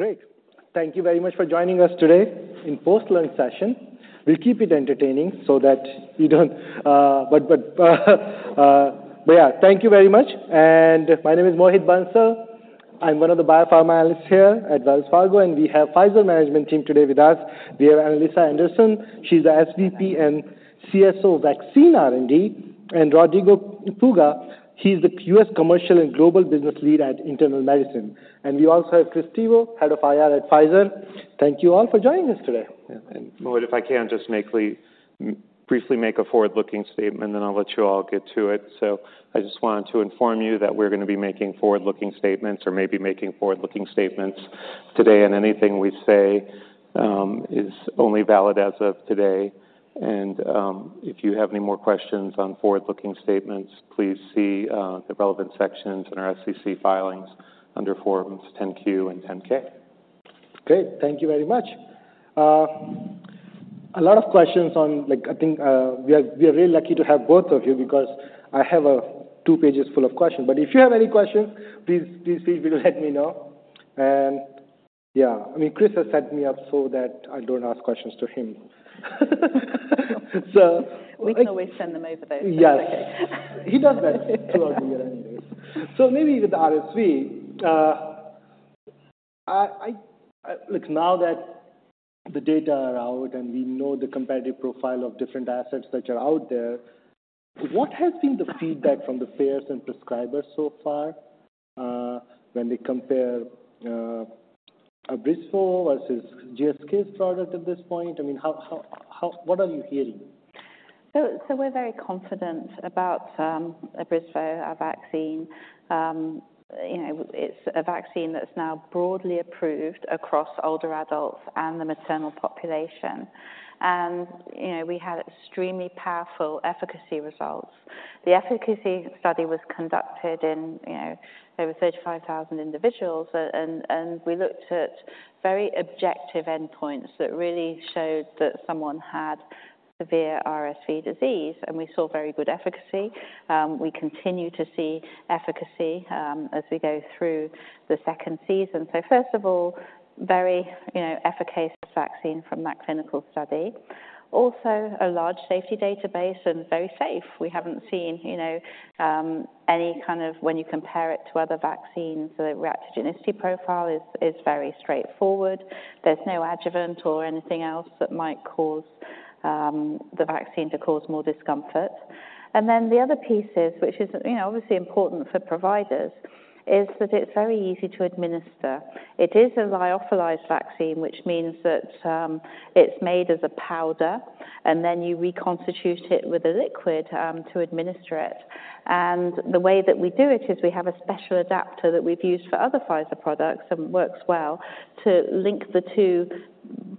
Great! Thank you very much for joining us today in post-lunch session. We'll keep it entertaining so that you don't, but yeah. Thank you very much, and my name is Mohit Bansal. I'm one of the biopharma analysts here at Wells Fargo, and we have Pfizer management team today with us. We have Annaliesa Anderson, she's the SVP and CSO, Vaccine R&D, and Rodrigo Puga, he's the U.S. Commercial and Global Business Lead at Internal Medicine. And we also have Chris Stevo, Head of IR at Pfizer. Thank you all for joining us today. Mohit, if I can just briefly make a forward-looking statement, then I'll let you all get to it. So I just wanted to inform you that we're going to be making forward-looking statements or may be making forward-looking statements today, and anything we say is only valid as of today. And, if you have any more questions on forward-looking statements, please see the relevant sections in our SEC filings under Forms 10-Q and 10-K. Great. Thank you very much. A lot of questions on, like... I think, we are really lucky to have both of you because I have two pages full of questions, but if you have any questions, please, please, please let me know. And, yeah, I mean, Chris has set me up so that I don't ask questions to him. So- We can always send them over, though. Yes. He does that throughout the year anyways. So maybe with RSV, look, now that the data are out, and we know the competitive profile of different assets that are out there, what has been the feedback from the payers and prescribers so far, when they compare, Abrysvo versus GSK's product at this point? I mean, what are you hearing? So, we're very confident about Abrysvo, our vaccine. You know, it's a vaccine that's now broadly approved across older adults and the maternal population. And, you know, we had extremely powerful efficacy results. The efficacy study was conducted in, you know, over 35,000 individuals. And we looked at very objective endpoints that really showed that someone had severe RSV disease, and we saw very good efficacy. We continue to see efficacy as we go through the second season. So first of all, very, you know, efficacious vaccine from that clinical study. Also, a large safety database and very safe. We haven't seen, you know, any kind of when you compare it to other vaccines, the reactogenicity profile is very straightforward. There's no adjuvant or anything else that might cause the vaccine to cause more discomfort. Then the other piece is, which is, you know, obviously important for providers, is that it's very easy to administer. It is a lyophilized vaccine, which means that it's made as a powder, and then you reconstitute it with a liquid to administer it. The way that we do it is we have a special adapter that we've used for other Pfizer products, and works well, to link the two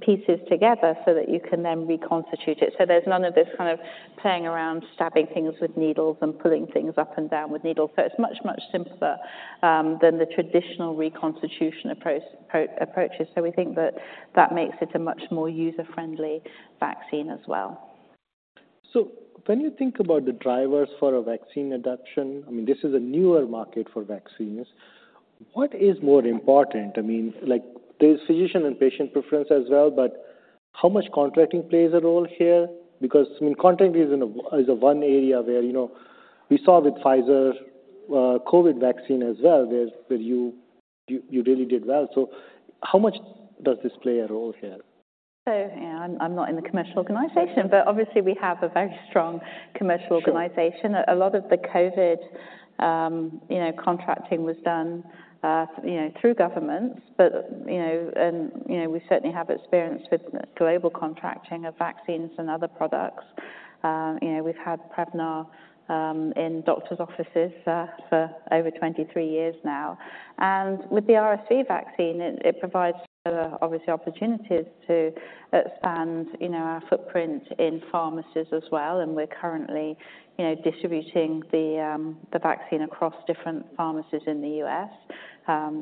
pieces together so that you can then reconstitute it. So there's none of this kind of playing around, stabbing things with needles and pulling things up and down with needles. So it's much, much simpler than the traditional reconstitution approaches. So we think that that makes it a much more user-friendly vaccine as well. So when you think about the drivers for a vaccine adoption, I mean, this is a newer market for vaccines. What is more important? I mean, like, there's physician and patient preference as well, but how much contracting plays a role here? Because, I mean, contracting is one area where, you know, we saw with Pfizer COVID vaccine as well, where you really did well. So how much does this play a role here? So, yeah, I'm not in the commercial organization, but obviously, we have a very strong commercial organization. Sure. A lot of the COVID, you know, contracting was done, you know, through governments. But, you know, we certainly have experience with global contracting of vaccines and other products. You know, we've had Prevnar in doctor's offices for over 23 years now, and with the RSV vaccine, it provides obviously opportunities to expand, you know, our footprint in pharmacies as well, and we're currently, you know, distributing the vaccine across different pharmacies in the US.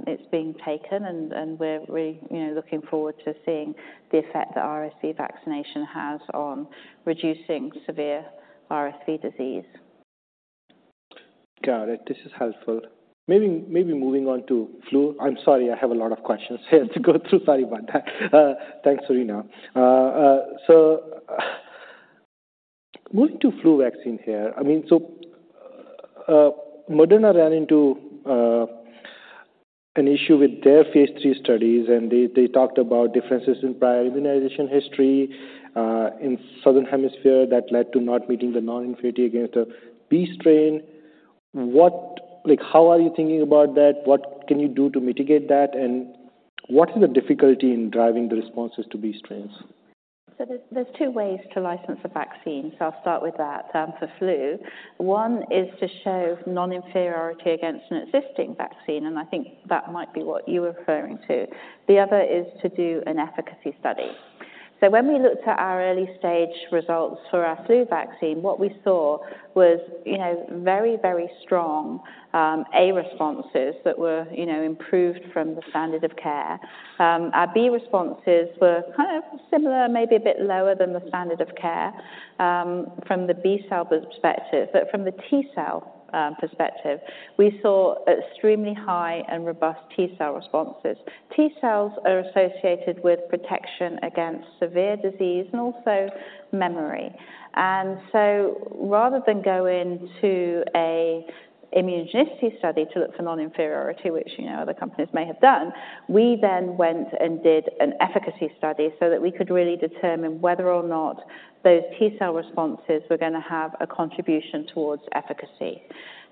It's being taken, and we're really, you know, looking forward to seeing the effect that RSV vaccination has on reducing severe RSV disease. Got it. This is helpful. Maybe, maybe moving on to flu. I'm sorry, I have a lot of questions here to go through. Sorry about that. Thanks, Serena. So, moving to flu vaccine here, I mean, so, Moderna ran into an issue with their phase III studies, and they talked about differences in prior immunization history in Southern Hemisphere that led to not meeting the non-inferiority against the B strain. What—like, how are you thinking about that? What can you do to mitigate that, and what is the difficulty in driving the responses to B strains? So there's two ways to license a vaccine, so I'll start with that, for flu. One is to show non-inferiority against an existing vaccine, and I think that might be what you are referring to. The other is to do an efficacy study. So when we looked at our early stage results for our flu vaccine, what we saw was, you know, very, very strong, A responses that were, you know, improved from the standard of care. Our B responses were kind of similar, maybe a bit lower than the standard of care, from the B cell perspective, but from the T cell perspective, we saw extremely high and robust T cell responses. T cells are associated with protection against severe disease and also memory. Rather than go into an immunogenicity study to look for non-inferiority, which, you know, other companies may have done, we then went and did an efficacy study so that we could really determine whether or not those T cell responses were going to have a contribution towards efficacy.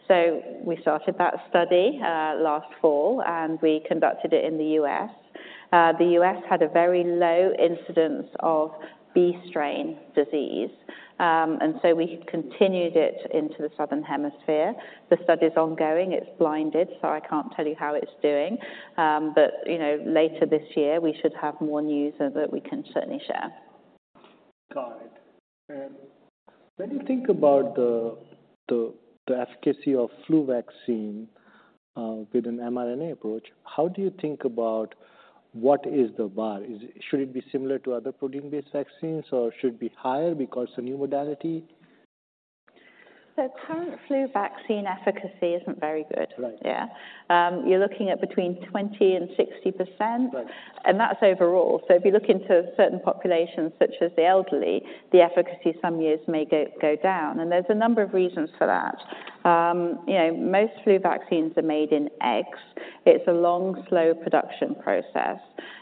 So we started that study last fall, and we conducted it in the U.S. The U.S. had a very low incidence of B strain disease, and so we continued it into the Southern Hemisphere. The study's ongoing, it's blinded, so I can't tell you how it's doing, but, you know, later this year, we should have more news that we can certainly share. Got it. And when you think about the efficacy of flu vaccine with an mRNA approach, how do you think about what is the bar? Is it? Should it be similar to other protein-based vaccines, or should it be higher because it's a new modality? Current flu vaccine efficacy isn't very good. Right. Yeah. You're looking at between 20% and 60%. Right. That's overall. So if you look into certain populations, such as the elderly, the efficacy some years may go down, and there's a number of reasons for that. You know, most flu vaccines are made in eggs. It's a long, slow production process.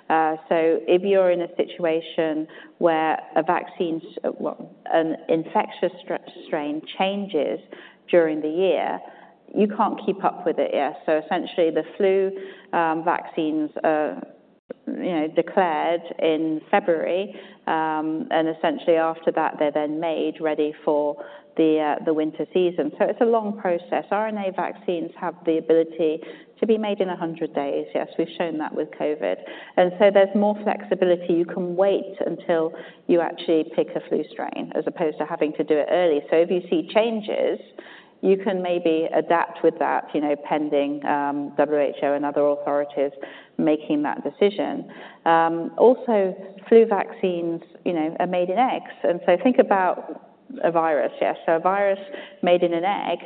So if you're in a situation where a vaccine, well, an infectious strain changes during the year, you can't keep up with it. Yeah, so essentially, the flu vaccines are, you know, declared in February, and essentially after that, they're then made ready for the winter season. So it's a long process. RNA vaccines have the ability to be made in 100 days. Yes, we've shown that with COVID. And so there's more flexibility. You can wait until you actually pick a flu strain, as opposed to having to do it early. So if you see changes, you can maybe adapt with that, you know, pending WHO and other authorities making that decision. Also, flu vaccines, you know, are made in eggs, and so think about a virus. Yeah, so a virus made in an egg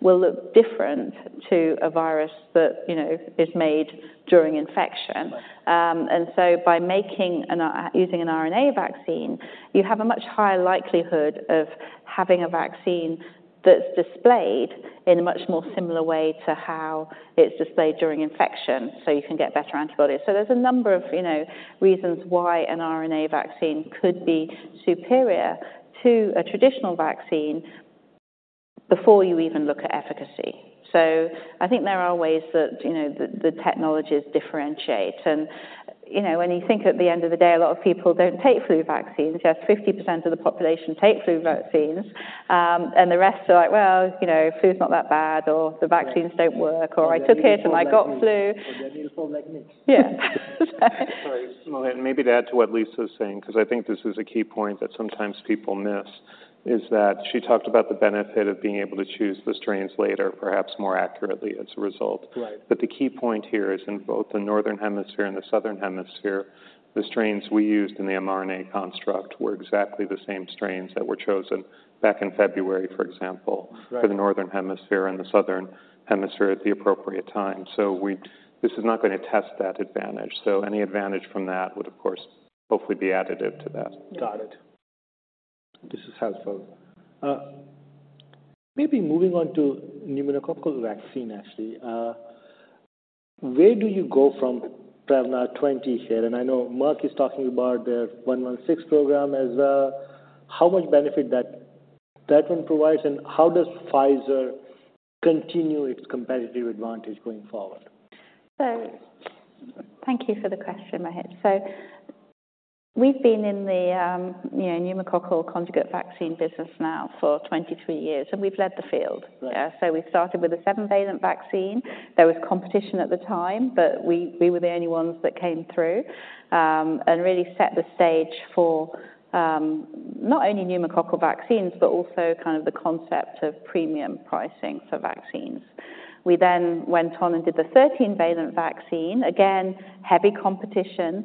will look different to a virus that, you know, is made during infection. Right. Using an RNA vaccine, you have a much higher likelihood of having a vaccine that's displayed in a much more similar way to how it's displayed during infection, so you can get better antibodies. So there's a number of, you know, reasons why an RNA vaccine could be superior to a traditional vaccine before you even look at efficacy. So I think there are ways that, you know, the technologies differentiate. And, you know, when you think at the end of the day, a lot of people don't take flu vaccines. Just 50% of the population take flu vaccines, and the rest are like, "Well, you know, flu's not that bad," or- Right... "The vaccines don't work," or, "I took it, and I got flu. Or they need a form like me. Yeah. Sorry, Mohit, maybe to add to what Lisa was saying, because I think this is a key point that sometimes people miss, is that she talked about the benefit of being able to choose the strains later, perhaps more accurately as a result. Right. The key point here is in both the Northern Hemisphere and the Southern Hemisphere, the strains we used in the mRNA construct were exactly the same strains that were chosen back in February, for example- Right for the Northern Hemisphere and the Southern Hemisphere at the appropriate time. This is not going to test that advantage. So any advantage from that would, of course, hopefully be additive to that. Yeah. Got it. This is helpful. Maybe moving on to pneumococcal vaccine, actually. Where do you go from Prevnar 20 here? And I know Merck is talking about their V116 program as well. How much benefit that, that one provides, and how does Pfizer continue its competitive advantage going forward? Thank you for the question, Mohit. We've been in the, you know, pneumococcal conjugate vaccine business now for 23 years, and we've led the field. Right. Yeah, so we started with a 7-valent vaccine. There was competition at the time, but we, we were the only ones that came through, and really set the stage for, not only pneumococcal vaccines, but also kind of the concept of premium pricing for vaccines. We then went on and did the 13-valent vaccine. Again, heavy competition,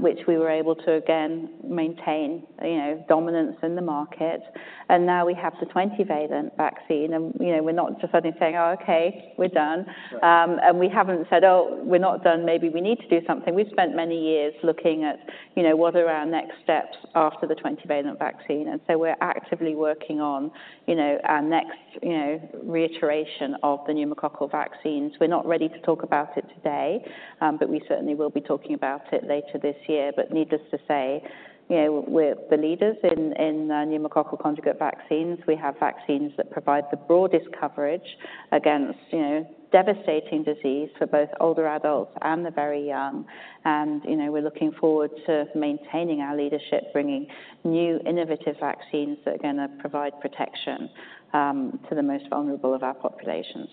which we were able to again maintain, you know, dominance in the market. And now we have the 20-valent vaccine, and, you know, we're not just suddenly saying: "Oh, okay, we're done. Right. And we haven't said: "Oh, we're not done. Maybe we need to do something." We've spent many years looking at, you know, what are our next steps after the 20-valent vaccine, and so we're actively working on, you know, our next, you know, reiteration of the pneumococcal vaccines. We're not ready to talk about it today, but we certainly will be talking about it later this year. But needless to say, you know, we're the leaders in pneumococcal conjugate vaccines. We have vaccines that provide the broadest coverage against, you know, devastating disease for both older adults and the very young. And, you know, we're looking forward to maintaining our leadership, bringing new innovative vaccines that are going to provide protection to the most vulnerable of our populations....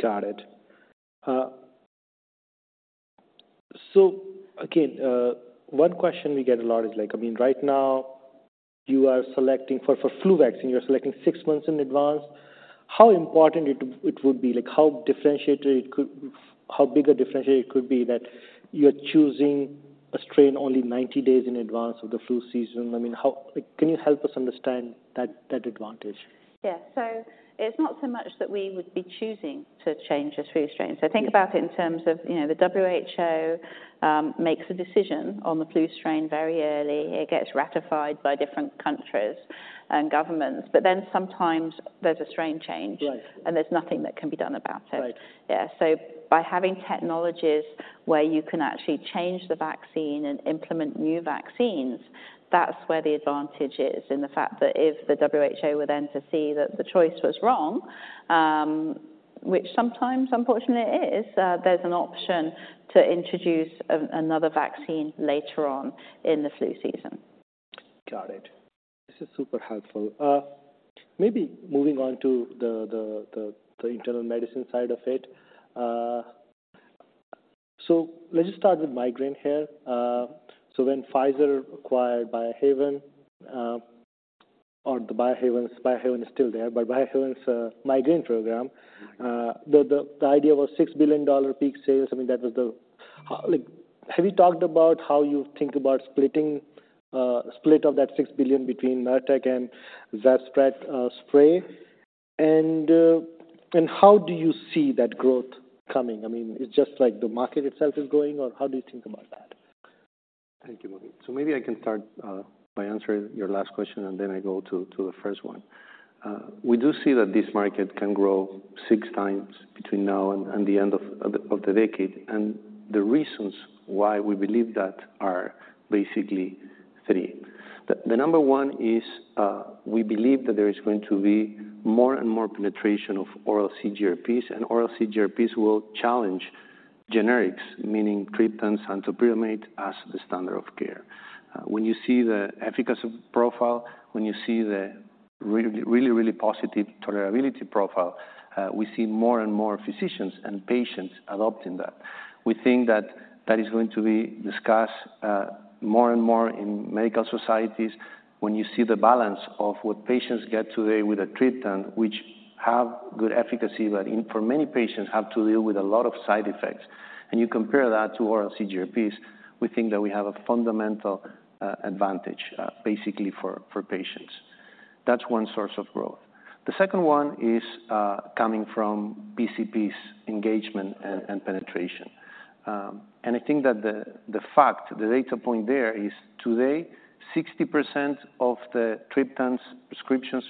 Got it. So again, one question we get a lot is, like, I mean, right now, you are selecting for, for flu vaccine, you're selecting 6 months in advance. How important it would be? Like, how differentiated it could—how big a differentiator it could be that you're choosing a strain only 90 days in advance of the flu season? I mean, how... Like, can you help us understand that advantage? Yeah. So it's not so much that we would be choosing to change a flu strain. Yeah. So think about it in terms of, you know, the WHO makes a decision on the flu strain very early. It gets ratified by different countries and governments, but then sometimes there's a strain change- Right. There's nothing that can be done about it. Right. Yeah. So by having technologies where you can actually change the vaccine and implement new vaccines, that's where the advantage is, in the fact that if the WHO were then to see that the choice was wrong, which sometimes, unfortunately, it is, there's an option to introduce another vaccine later on in the flu season. Got it. This is super helpful. Maybe moving on to the internal medicine side of it. So let's just start with migraine here. So when Pfizer acquired Biohaven, or the Biohaven... Biohaven is still there, but Biohaven's migraine program, Mm-hmm. The idea was $6 billion peak sales. I mean, that was the... Like, have you talked about how you think about splitting, split of that $6 billion between Nurtec and Zavzpret, spray? And, and how do you see that growth coming? I mean, it's just like the market itself is growing, or how do you think about that? Thank you, Mohit. So maybe I can start by answering your last question, and then I go to the first one. We do see that this market can grow 6x between now and the end of the decade, and the reasons why we believe that are basically three. The number one is, we believe that there is going to be more and more penetration of oral CGRPs, and oral CGRPs will challenge generics, meaning triptans and topiramate, as the standard of care. When you see the efficacy profile, when you see the really, really, really positive tolerability profile, we see more and more physicians and patients adopting that. We think that that is going to be discussed more and more in medical societies. When you see the balance of what patients get today with a triptan, which have good efficacy, but for many patients, have to deal with a lot of side effects, and you compare that to oral CGRPs, we think that we have a fundamental, advantage, basically for, for patients. That's one source of growth. The second one is, coming from PCPs' engagement and, and penetration. And I think that the, the fact, the data point there is today, 60% of the triptans prescriptions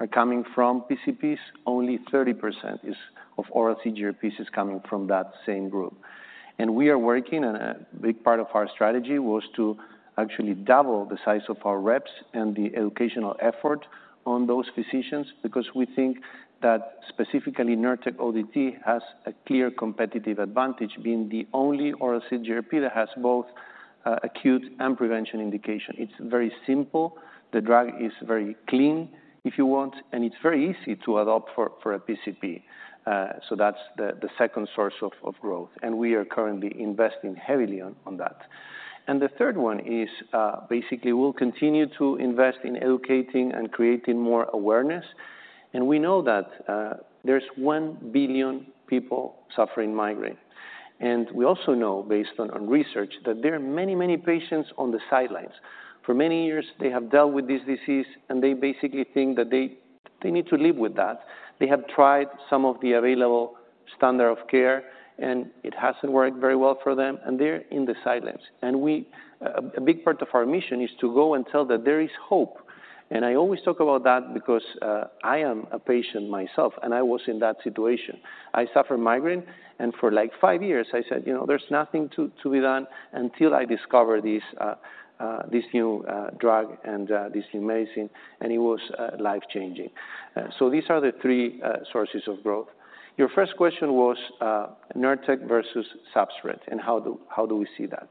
are coming from PCPs. Only 30% is of oral CGRPs is coming from that same group. We are working on a big part of our strategy, was to actually double the size of our reps and the educational effort on those physicians, because we think that specifically Nurtec ODT has a clear competitive advantage, being the only oral CGRP that has both, acute and prevention indication. It's very simple, the drug is very clean, if you want, and it's very easy to adopt for a PCP. So that's the second source of growth, and we are currently investing heavily on that. The third one is, basically, we'll continue to invest in educating and creating more awareness. We know that, there's 1 billion people suffering migraine, and we also know, based on research, that there are many, many patients on the sidelines. For many years, they have dealt with this disease, and they basically think that they need to live with that. They have tried some of the available standard of care, and it hasn't worked very well for them, and they're in the sidelines. And we, a big part of our mission is to go and tell that there is hope, and I always talk about that because I am a patient myself, and I was in that situation. I suffer migraine, and for, like, five years, I said, "You know, there's nothing to be done," until I discovered this, this new drug and this new medicine, and it was life-changing. So these are the three sources of growth. Your first question was, Nurtec versus Zavzpret, and how do we see that?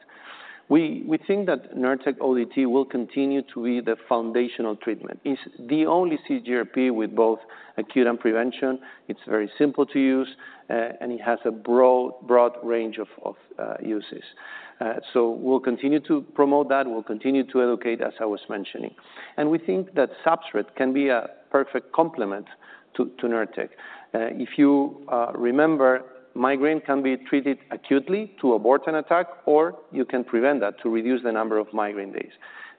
We think that Nurtec ODT will continue to be the foundational treatment. It's the only CGRP with both acute and prevention. It's very simple to use, and it has a broad, broad range of, of, uses. So we'll continue to promote that. We'll continue to educate, as I was mentioning. And we think that Zavzpret can be a perfect complement to Nurtec. If you remember, migraine can be treated acutely to abort an attack, or you can prevent that to reduce the number of migraine days.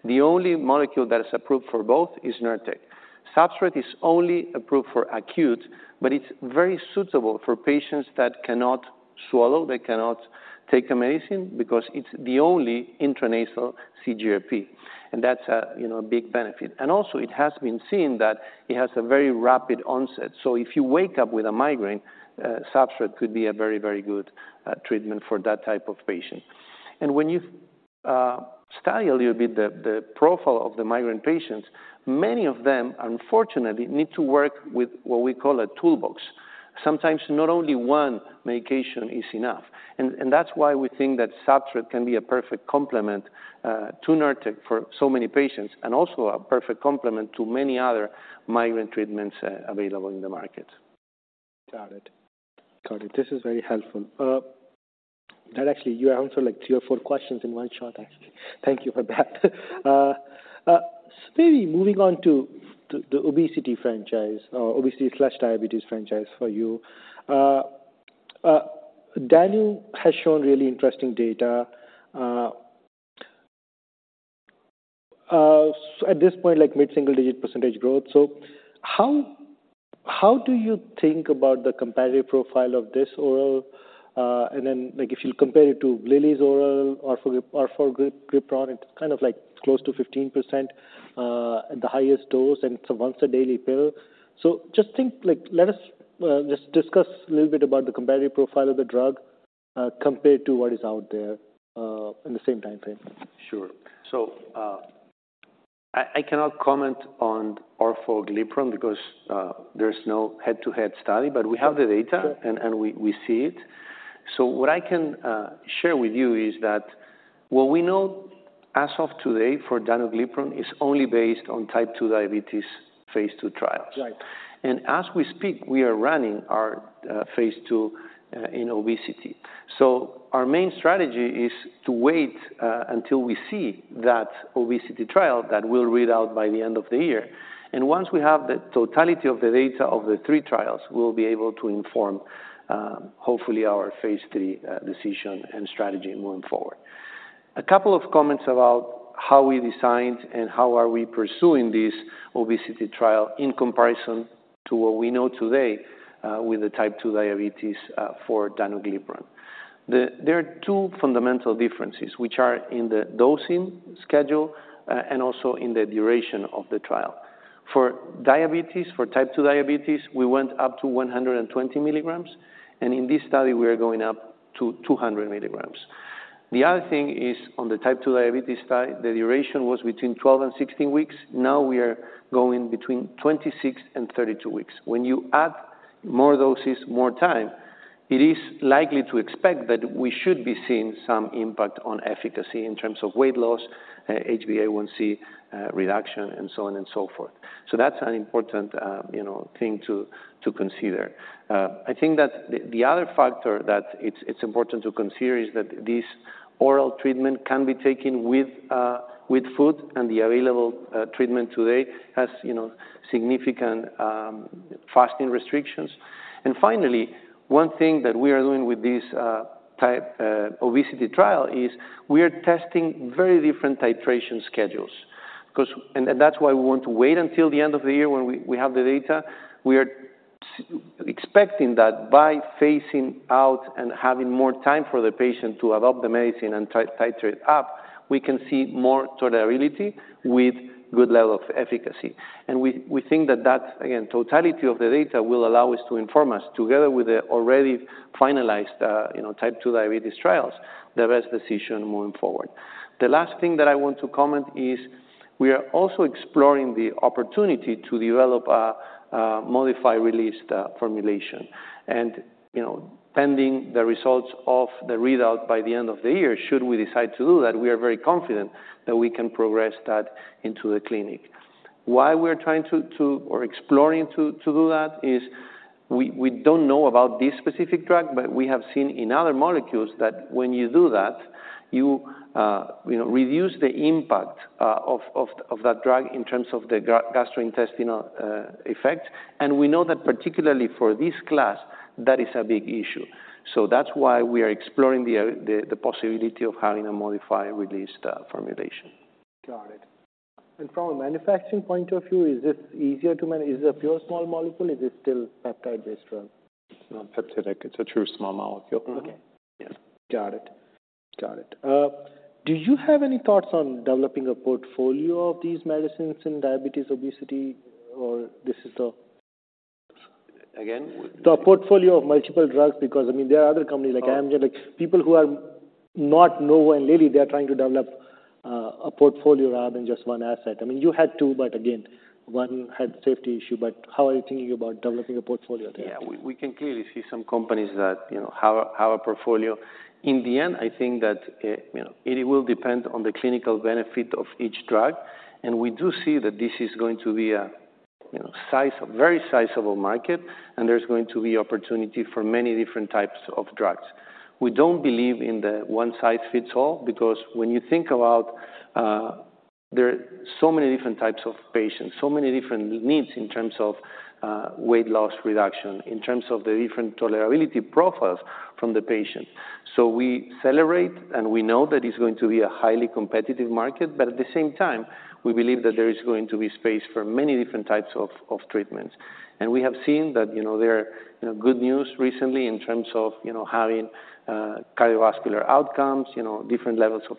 The only molecule that is approved for both is Nurtec. Zavzpret is only approved for acute, but it's very suitable for patients that cannot swallow, that cannot take medicine, because it's the only intranasal CGRP, and that's a, you know, big benefit. And also, it has been seen that it has a very rapid onset. So if you wake up with a migraine, Zavzpret could be a very, very good treatment for that type of patient. And when you study a little bit the profile of the migraine patients, many of them, unfortunately, need to work with what we call a toolbox. Sometimes not only one medication is enough, and that's why we think that Zavzpret can be a perfect complement to Nurtec for so many patients, and also a perfect complement to many other migraine treatments available in the market. Got it. Got it. This is very helpful. That actually, you answered like three or four questions in one shot, actually. Thank you for that. Maybe moving on to the obesity franchise or obesity/diabetes franchise for you. Danuglipron has shown really interesting data at this point, like mid-single digit percentage growth. So how do you think about the competitive profile of this oral? And then, like, if you compare it to Lilly's oral orforglipron, it's kind of like close to 15%, at the highest dose, and it's a once-daily pill. So just think, like, let us just discuss a little bit about the competitive profile of the drug compared to what is out there in the same time frame. Sure. So, I cannot comment on orforglipron because there's no head-to-head study, but we have the data- Sure. And we see it. So what I can share with you is that what we know as of today for danuglipron is only based on type 2 diabetes phase II trials. Right. And as we speak, we are running our phase II in obesity. So our main strategy is to wait until we see that obesity trial that will read out by the end of the year. And once we have the totality of the data of the three trials, we'll be able to inform hopefully our phase III decision and strategy moving forward. A couple of comments about how we designed and how are we pursuing this obesity trial in comparison to what we know today with the type 2 diabetes for danuglipron. There are two fundamental differences, which are in the dosing schedule and also in the duration of the trial. For diabetes, for type 2 diabetes, we went up to 120 milligrams, and in this study, we are going up to 200 milligrams. The other thing is, on the type 2 diabetes trial, the duration was between 12 weeks and 16 weeks. Now we are going between 26 weeks and 32 weeks. When you add more doses, more time, it is likely to expect that we should be seeing some impact on efficacy in terms of weight loss, HbA1c reduction, and so on and so forth. So that's an important, you know, thing to consider. I think that the other factor that it's important to consider is that this oral treatment can be taken with food, and the available treatment today has, you know, significant fasting restrictions. And finally, one thing that we are doing with this type obesity trial is we are testing very different titration schedules, 'cause... That's why we want to wait until the end of the year when we have the data. We are expecting that by phasing out and having more time for the patient to adopt the medicine and titrate up, we can see more tolerability with good level of efficacy. And we think that that, again, totality of the data will allow us to inform us, together with the already finalized, you know, type 2 diabetes trials, the best decision moving forward. The last thing that I want to comment is we are also exploring the opportunity to develop a modified-release formulation. And, you know, pending the results of the readout by the end of the year, should we decide to do that, we are very confident that we can progress that into the clinic. Why we're trying to explore doing that is we don't know about this specific drug, but we have seen in other molecules that when you do that, you know, reduce the impact of that drug in terms of the gastrointestinal effect. And we know that particularly for this class, that is a big issue. So that's why we are exploring the possibility of having a modified-release formulation. Got it. And from a manufacturing point of view, is this easier to? Is it a pure small molecule? Is it still peptide-based drug? It's not peptidic. It's a true small molecule. Okay. Yeah. Got it. Got it. Do you have any thoughts on developing a portfolio of these medicines in diabetes, obesity, or this is the- Again? The portfolio of multiple drugs, because, I mean, there are other companies like Amgen, like- Oh. People who don't know, and really, they are trying to develop a portfolio rather than just one asset. I mean, you had two, but again, one had safety issue. But how are you thinking about developing a portfolio there? Yeah, we can clearly see some companies that, you know, have a portfolio. In the end, I think that, you know, it will depend on the clinical benefit of each drug, and we do see that this is going to be a very sizable market, and there's going to be opportunity for many different types of drugs. We don't believe in the one-size-fits-all, because when you think about, there are so many different types of patients, so many different needs in terms of weight loss reduction, in terms of the different tolerability profiles from the patient. So we celebrate, and we know that it's going to be a highly competitive market, but at the same time, we believe that there is going to be space for many different types of treatments. We have seen that, you know, there are, you know, good news recently in terms of, you know, having cardiovascular outcomes, you know, different levels of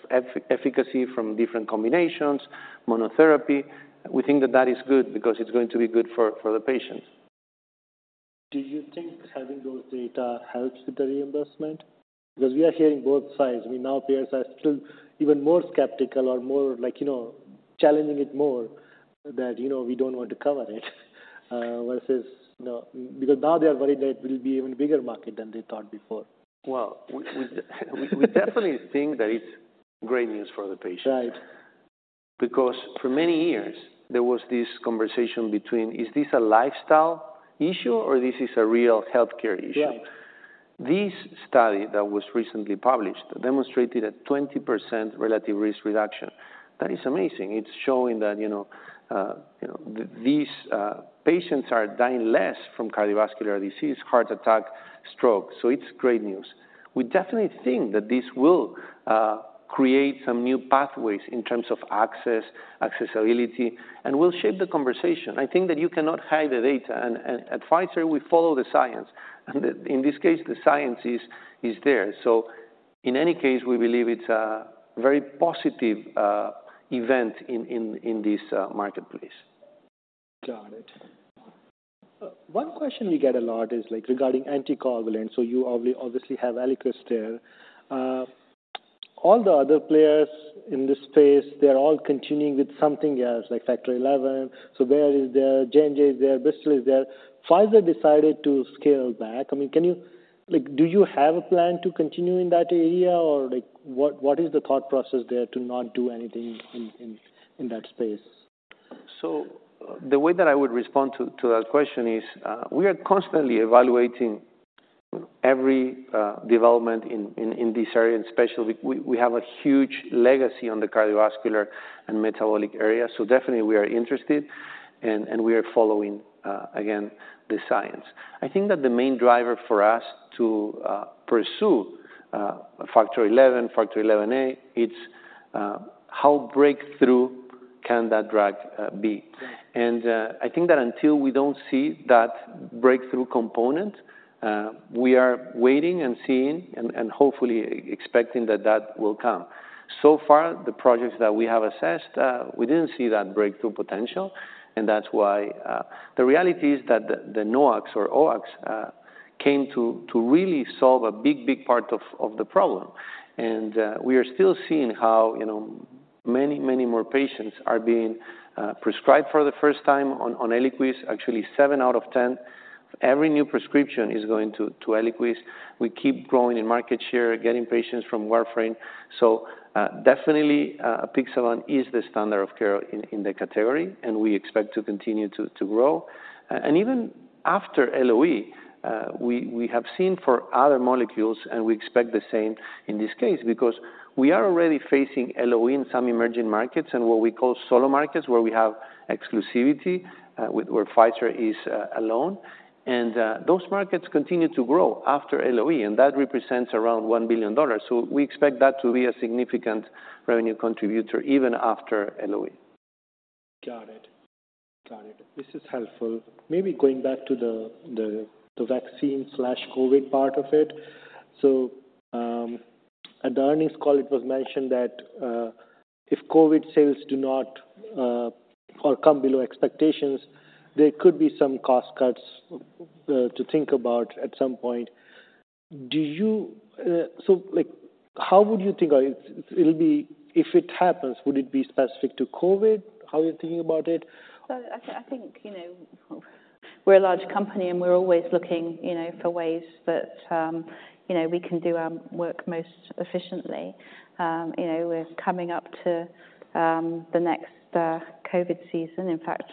efficacy from different combinations, monotherapy. We think that that is good because it's going to be good for, for the patients. Do you think having those data helps with the reimbursement? Because we are hearing both sides. I mean, now payers are still even more skeptical or more like, you know, challenging it more than, you know, we don't want to cover it, versus, you know... Because now they are worried that it will be even bigger market than they thought before. Well, we definitely think that it's great news for the patients. Right.... Because for many years, there was this conversation between, is this a lifestyle issue or this is a real healthcare issue? Yeah. This study that was recently published demonstrated a 20% relative risk reduction. That is amazing. It's showing that, you know, you know, these patients are dying less from cardiovascular disease, heart attack, stroke, so it's great news. We definitely think that this will create some new pathways in terms of access, accessibility, and will shape the conversation. I think that you cannot hide the data, and, and at Pfizer, we follow the science, and in this case, the science is there. So in any case, we believe it's a very positive event in this marketplace. Got it. One question we get a lot is, like, regarding anticoagulants, so you obviously, obviously have Eliquis there. All the other players in this space, they're all continuing with something else, like Factor XI, so there is the... J&J is there, Bristol is there. Pfizer decided to scale back. I mean, can you... Like, do you have a plan to continue in that area, or, like, what, what is the thought process there to not do anything in, in, in that space? So the way that I would respond to that question is, we are constantly evaluating every development in this area, and especially we have a huge legacy on the cardiovascular and metabolic area, so definitely we are interested and we are following again the science. I think that the main driver for us to pursue Factor XI, Factor XIa, it's how breakthrough can that drug be? Right. I think that until we don't see that breakthrough component, we are waiting and seeing and hopefully expecting that that will come. So far, the projects that we have assessed, we didn't see that breakthrough potential, and that's why... The reality is that the NOACs or Xa came to really solve a big part of the problem. And we are still seeing how, you know, many more patients are being prescribed for the first time on Eliquis. Actually, seven out of ten every new prescription is going to Eliquis. We keep growing in market share, getting patients from warfarin. So definitely apixaban is the standard of care in the category, and we expect to continue to grow. And even after LOE, we have seen for other molecules, and we expect the same in this case, because we are already facing LOE in some emerging markets and what we call solo markets, where we have exclusivity, where Pfizer is alone. And those markets continue to grow after LOE, and that represents around $1 billion. So we expect that to be a significant revenue contributor even after LOE. Got it. Got it. This is helpful. Maybe going back to the vaccine/COVID part of it. So, at the earnings call, it was mentioned that, if COVID sales do not or come below expectations, there could be some cost cuts to think about at some point. Do you... So, like, how would you think it, it'll be-- If it happens, would it be specific to COVID? How are you thinking about it? So I think, you know, we're a large company, and we're always looking, you know, for ways that, you know, we can do our work most efficiently. You know, we're coming up to the next COVID season. In fact,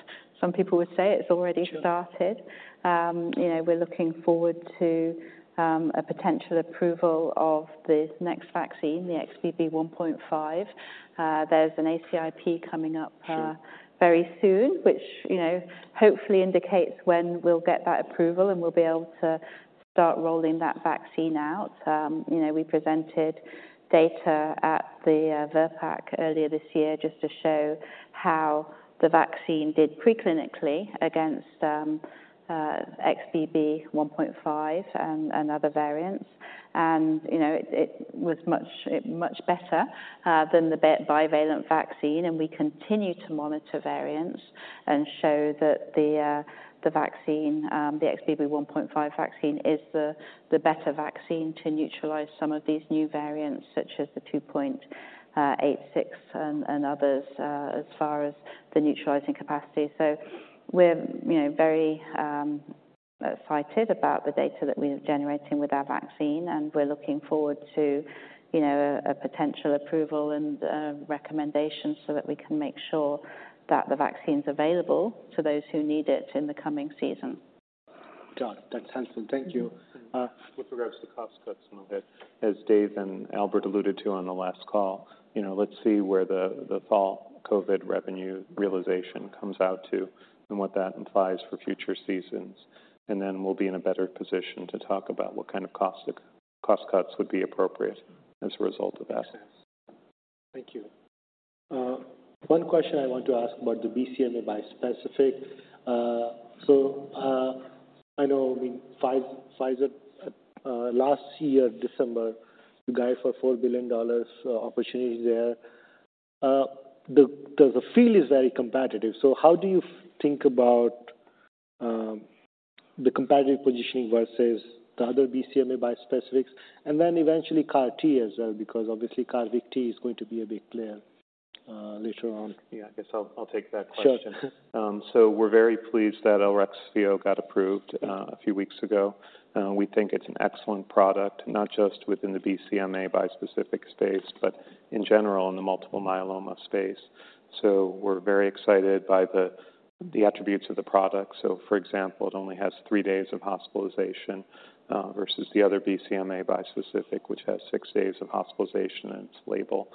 some people would say it's already started. Sure. You know, we're looking forward to a potential approval of this next vaccine, the XBB.1.5. There's an ACIP coming up. Sure... very soon, which, you know, hopefully indicates when we'll get that approval, and we'll be able to start rolling that vaccine out. You know, we presented data at the VRBPAC earlier this year just to show how the vaccine did preclinically against XBB.1.5 and other variants. And, you know, it was much, much better than the bivalent vaccine, and we continue to monitor variants and show that the vaccine, the XBB.1.5 vaccine, is the better vaccine to neutralize some of these new variants, such as the 2.86 and others, as far as the neutralizing capacity. So we're, you know, very excited about the data that we are generating with our vaccine, and we're looking forward to, you know, a potential approval and recommendation so that we can make sure that the vaccine's available to those who need it in the coming season. Got it. That's helpful. Thank you. Mm-hmm. With regards to the cost cuts, and again, as Dave and Albert alluded to on the last call, you know, let's see where the fall COVID revenue realization comes out to and what that implies for future seasons. And then we'll be in a better position to talk about what kind of cost cuts would be appropriate as a result of that. Thank you. One question I want to ask about the BCMA bispecific. So, I know, I mean, Pfizer, last year, December, you guys, for $4 billion opportunity there. The field is very competitive, so how do you think about the competitive positioning versus the other BCMA bispecifics? And then eventually, CAR T as well, because obviously CAR T is going to be a big player.... later on? Yeah, I guess I'll, I'll take that question. Sure. So we're very pleased that Elrexfio got approved a few weeks ago. We think it's an excellent product, not just within the BCMA bispecific space, but in general in the multiple myeloma space. So we're very excited by the attributes of the product. So for example, it only has three days of hospitalization versus the other BCMA bispecific, which has six days of hospitalization in its label.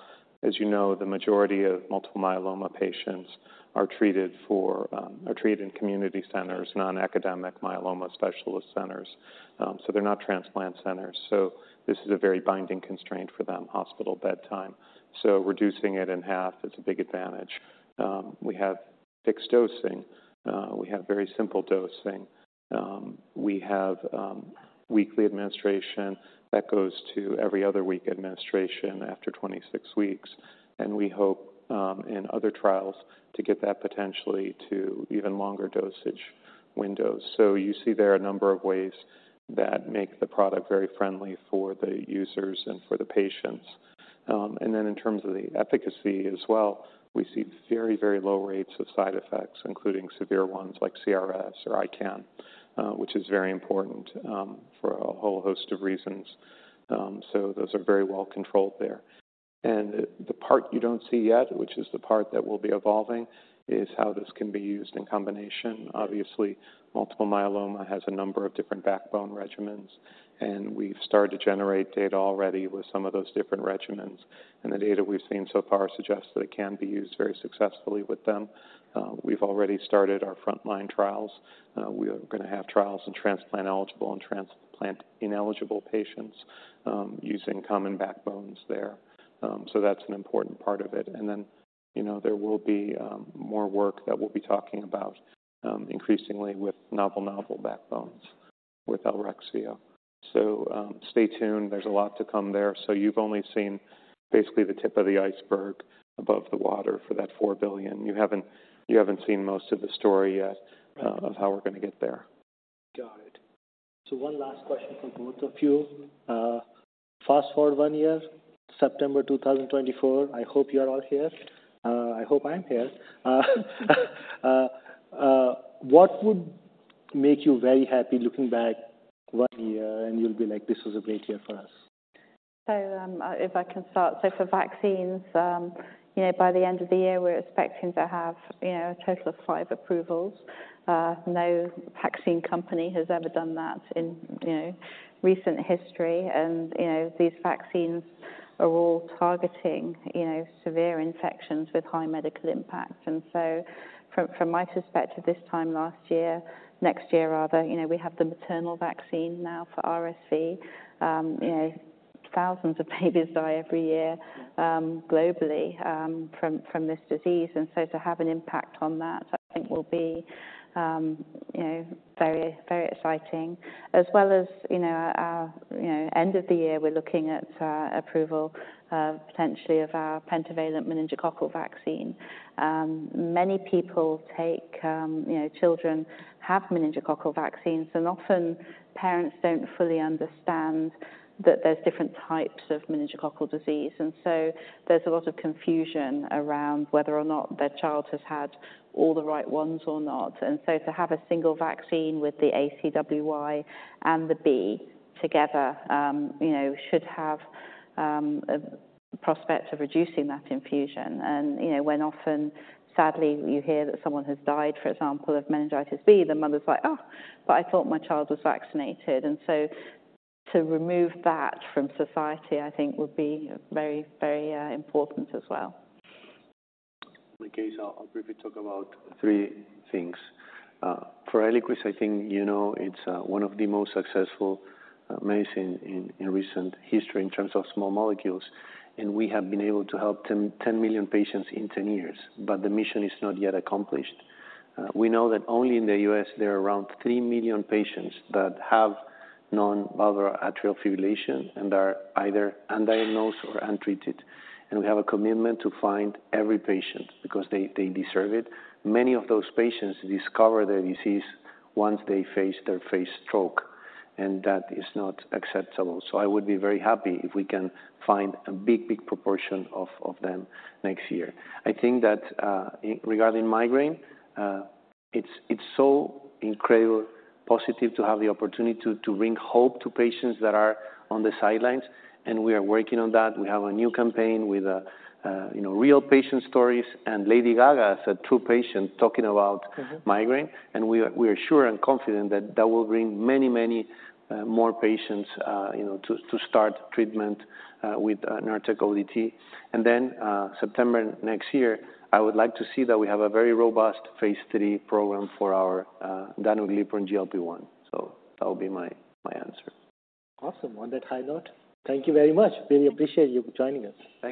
As you know, the majority of multiple myeloma patients are treated in community centers, non-academic myeloma specialist centers. So they're not transplant centers, so this is a very binding constraint for them, hospital bedtime. So reducing it in half is a big advantage. We have fixed dosing. We have very simple dosing. We have weekly administration that goes to every other week administration after 26 weeks, and we hope in other trials to get that potentially to even longer dosage windows. So you see there are a number of ways that make the product very friendly for the users and for the patients. And then in terms of the efficacy as well, we see very, very low rates of side effects, including severe ones like CRS or ICANS, which is very important for a whole host of reasons. So those are very well controlled there. And the part you don't see yet, which is the part that will be evolving, is how this can be used in combination. Obviously, multiple myeloma has a number of different backbone regimens, and we've started to generate data already with some of those different regimens. The data we've seen so far suggests that it can be used very successfully with them. We've already started our frontline trials. We are gonna have trials in transplant-eligible and transplant-ineligible patients, using common backbones there. So that's an important part of it. And then, you know, there will be more work that we'll be talking about, increasingly with novel, novel backbones with Elrexfio. So, stay tuned. There's a lot to come there. So you've only seen basically the tip of the iceberg above the water for that $4 billion. You haven't, you haven't seen most of the story yet. Right... of how we're gonna get there. Got it. So one last question for both of you. Fast-forward one year, September 2024, I hope you're all here. I hope I'm here. What would make you very happy looking back one year, and you'll be like, "This was a great year for us? So, if I can start. So for vaccines, you know, by the end of the year, we're expecting to have, you know, a total of five approvals. No vaccine company has ever done that in, you know, recent history. And, you know, these vaccines are all targeting, you know, severe infections with high medical impact. And so from my perspective, this time last year, next year rather, you know, we have the maternal vaccine now for RSV. You know, thousands of babies die every year, globally, from this disease. And so to have an impact on that, I think will be, you know, very, very exciting. As well as, you know, our, you know, end of the year, we're looking at approval potentially of our pentavalent meningococcal vaccine. Many people take... You know, children have meningococcal vaccines, and often parents don't fully understand that there's different types of meningococcal disease. And so there's a lot of confusion around whether or not their child has had all the right ones or not. And so to have a single vaccine with the ACWY and the B together, you know, should have a prospect of reducing that confusion. And, you know, when often, sadly, you hear that someone has died, for example, of meningitis B, the mother's like: Oh, but I thought my child was vaccinated. And so to remove that from society, I think would be very, very important as well. In my case, I'll briefly talk about three things. For Eliquis, I think you know, it's one of the most successful medicine in recent history in terms of small molecules, and we have been able to help 10 million patients in 10 years, but the mission is not yet accomplished. We know that only in the U.S. there are around 3 million patients that have nonvalvular atrial fibrillation and are either undiagnosed or untreated, and we have a commitment to find every patient because they deserve it. Many of those patients discover the disease once they face their first stroke, and that is not acceptable. So I would be very happy if we can find a big proportion of them next year. I think that, regarding migraine, it's so incredibly positive to have the opportunity to bring hope to patients that are on the sidelines, and we are working on that. We have a new campaign with, you know, real patient stories, and Lady Gaga is a true patient talking about- Mm-hmm. migraine, and we are sure and confident that that will bring many, many more patients, you know, to start treatment with Nurtec ODT. And then, September next year, I would like to see that we have a very robust phase III program for our danuglipron GLP-1. So that would be my answer. Awesome. On that high note, thank you very much. Really appreciate you for joining us. Thank you.